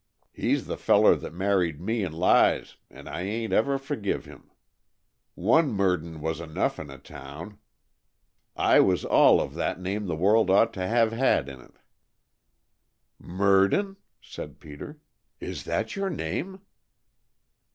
He's the feller that married me and Lize, and I ain't ever forgive him. One Merdin was enough in a town. I was all of that name the world ought to have had in it " "Merdin?" said Peter. "Is that your name?"